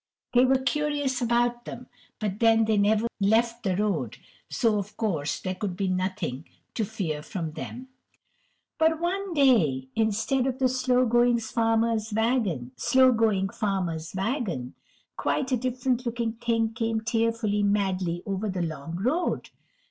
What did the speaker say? They were curious about them, but then they never left the road, so of course there could be nothing to fear from them. But one day instead of the slow going farmer's wagon, quite a different looking thing came tearing madly over the long road.